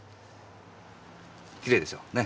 きれいでしょ？ね？